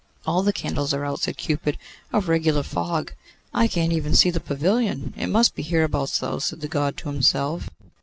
'All the candles are out!' said Cupid; 'a regular fog. I cannot even see the pavilion: it must be hereabouts, though,' said the God to himself.